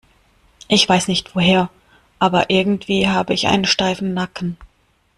Ich weiß nicht woher, aber irgendwie habe ich einen steifen Nacken.